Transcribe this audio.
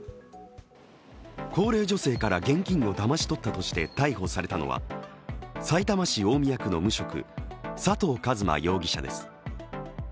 高齢女性から現金をだまし取ったとして逮捕されたのはさいたま市大宮区の無職佐藤真一容疑者です。